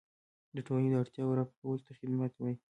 د ټولنې د اړتیاوو رفع کولو ته خدمت وایي.